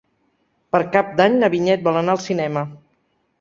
Per Cap d'Any na Vinyet vol anar al cinema.